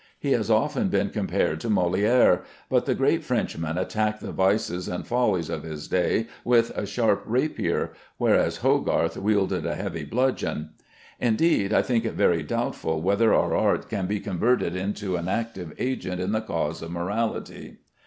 He has often been compared to Molière, but the great Frenchman attacked the vices and follies of his day with a sharp rapier, whereas Hogarth wielded a heavy bludgeon. Indeed, I think it very doubtful whether our art can be converted into an active agent in the cause of morality.